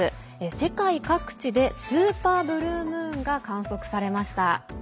世界各地でスーパーブルームーンが観測されました。